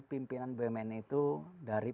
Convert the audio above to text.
pimpinan bumn itu dari